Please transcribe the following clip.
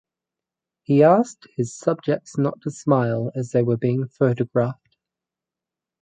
He asked his subjects not to smile as they were being photographed.